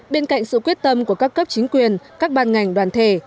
bên cạnh sự quyết tâm của các cấp chính quyền các ban ngành đoàn thể